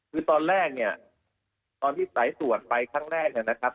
คือตอนแรกเนี่ยตอนที่สายตรวจไปครั้งแรกเนี่ยนะครับ